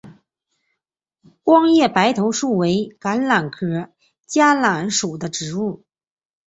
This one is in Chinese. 光叶白头树为橄榄科嘉榄属的植物。